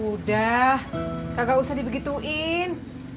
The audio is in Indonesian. udah kagak usah dibegituin